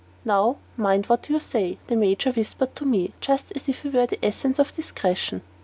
"Now mind what you say," the Major whispered to me, just as if he were the essence of discretion.